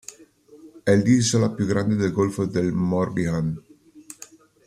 È l'isola più grande del Golfo del Morbihan.